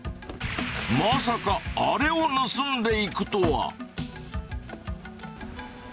まさかアレを盗んでいくとは。